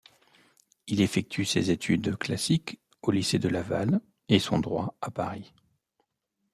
Il effectue ses études classiques au Lycée de Laval et son droit à Paris.